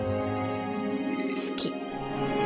好き。